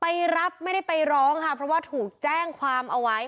ไปรับไม่ได้ไปร้องค่ะเพราะว่าถูกแจ้งความเอาไว้